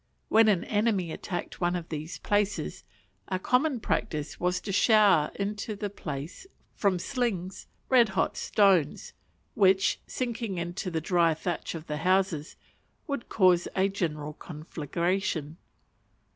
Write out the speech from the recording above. When an enemy attacked one of these places, a common practice was to shower into the place, from slings, red hot stones, which, sinking into the dry thatch of the houses, would cause a general conflagration.